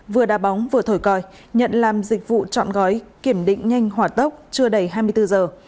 vừa đa bóng vừa thổi còi nhận làm dịch vụ trọn gói kiểm định nhanh hỏa tốc trưa đầy hai mươi bốn giờ